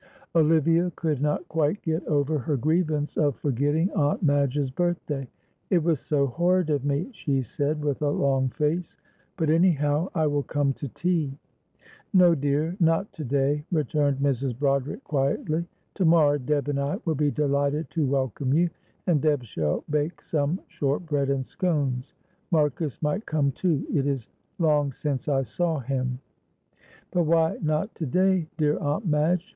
Olivia could not quite get over her grievance of forgetting Aunt Madge's birthday. "It was so horrid of me," she said, with a long face, "but, anyhow, I will come to tea." "No, dear, not to day," returned Mrs. Broderick, quietly. "To morrow Deb and I will be delighted to welcome you. And Deb shall bake some shortbread and scones. Marcus might come too, it is long since I saw him." "But why not to day, dear Aunt Madge?"